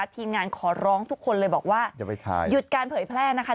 ทีมงานขอร้องทุกคนเลยบอกว่าหยุดการเผยแพร่นะคะ